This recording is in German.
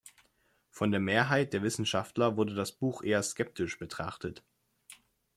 Von der Mehrheit der Wissenschaftler wurde das Buch eher skeptisch betrachtet.